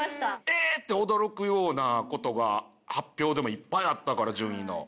「えっ！？」って驚くような事が発表でもいっぱいあったから順位の。